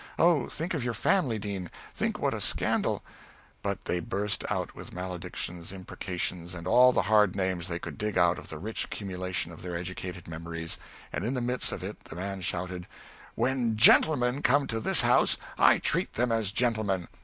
Oh, think of your family, Dean! think what a scandal " But they burst out with maledictions, imprecations and all the hard names they could dig out of the rich accumulations of their educated memories, and in the midst of it the man shouted "When gentlemen come to this house, I treat them as gentlemen.